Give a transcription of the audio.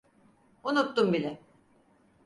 Unuttum bile.